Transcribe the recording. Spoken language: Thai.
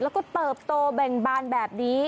แล้วก็เติบโตแบ่งบานแบบนี้